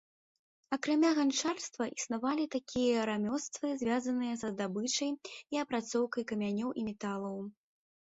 Акрамя ганчарства існавалі такія рамёствы, звязаныя са здабычай і апрацоўкай камянёў і металаў.